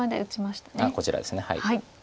こちらです。